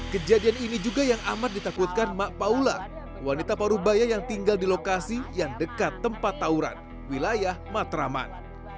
kejadian ini juga yang amat ditakutkan mak paula wanita parubaya yang tinggal di lokasi yang dekat tempat tauran wilayah matraman